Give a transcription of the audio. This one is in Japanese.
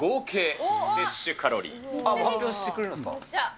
もう発表してくれるんですか。